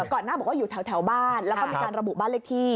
ก่อนหน้าบอกว่าอยู่แถวบ้านแล้วก็มีการระบุบ้านเลขที่